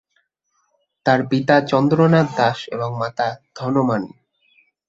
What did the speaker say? তার পিতা চন্দ্রনাথ দাশ এবং মাতা ধনমাণি।